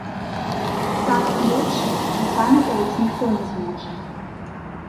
Так п'ючы, і памятаваць ніхто не зможа.